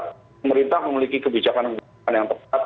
pemerintah memiliki kebijakan kebijakan yang tepat